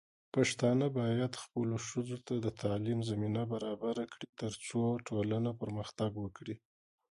پښتانه بايد خپلو ښځو ته د تعليم زمينه برابره کړي، ترڅو ټولنه پرمختګ وکړي.